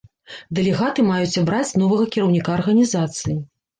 Дэлегаты маюць абраць новага кіраўніка арганізацыі.